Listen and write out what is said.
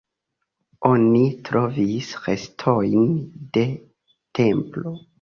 Oni trovis restojn de templo.